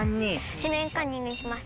「指名カンニング」にします。